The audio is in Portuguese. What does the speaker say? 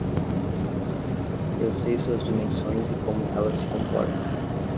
Eu sei suas dimensões e como ela se comporta.